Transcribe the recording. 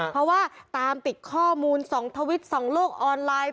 เพราะว่าตามติดข้อมูล๒ทวิต๒โลกออนไลน์